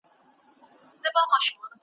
خپلو بچوړو ته په زرو سترګو زرو ژبو ,